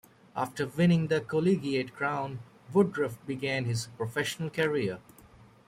After winning the collegiate crown, Woodruff began his professional career.